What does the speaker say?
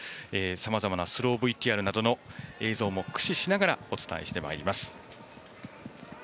さまざまなスローＶＴＲなどの映像も駆使しながらお伝えしてまいります。